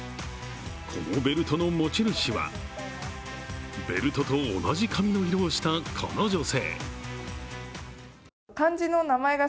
このベルトの持ち主はベルトと同じ髪の色をした、この女性。